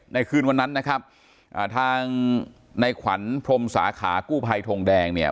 คืนวันนั้นนะครับอ่าทางในขวัญพรมสาขากู้ภัยทงแดงเนี่ย